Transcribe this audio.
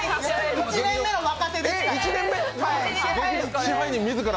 １年目の若手ですから。